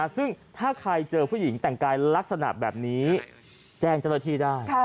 ซึ่งถ้าใครเจอผู้หญิงแต่งกายลักษณะแบบนี้แจ้งเจ้าหน้าที่ได้